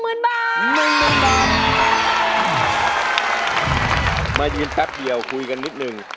เมื่อยีนนี่แป็บเดียวคุยกันนิดนึง